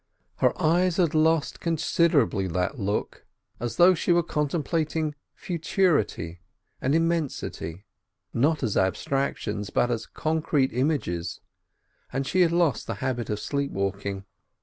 Her eyes had lost considerably that look as though she were contemplating futurity and immensity—not as abstractions, but as concrete images, and she had lost the habit of sleep walking.